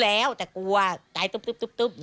ได้นำเรื่องราวมาแชร์ในโลกโซเชียลจึงเกิดเป็นประเด็นอีกครั้ง